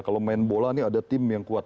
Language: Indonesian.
kalau main bola ini ada tim yang kuat